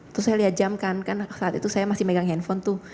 terus saya lihat jam kan saat itu saya masih megang handphone tuh